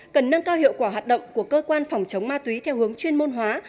cần nâng cao hiệu quả hoạt động của cơ quan phòng chống ma túy theo hướng chuyên môn hóa